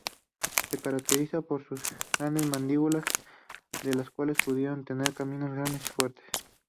Se caracteriza por sus grandes mandíbulas, las cuales pudieron tener caninos grandes y fuertes.